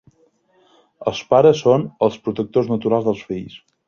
Els pares són els protectors naturals dels fills.